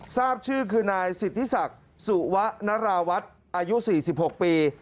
ทราบชื่อคือนายสิทธิศักดิ์สุวะนราวัฒน์อายุ๔๖ปี